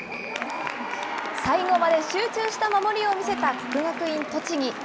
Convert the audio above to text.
最後まで集中した守りを見せた国学院栃木。